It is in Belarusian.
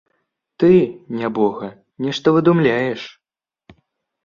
Ты, нябога, нешта выдумляеш.